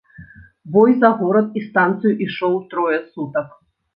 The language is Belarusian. Бой за горад і станцыю ішоў трое сутак.